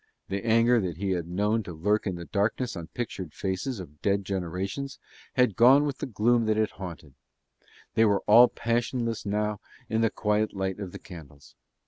The anger that he had known to lurk in the darkness on pictured faces of dead generations had gone with the gloom that it haunted: they were all passionless now in the quiet light of the candles.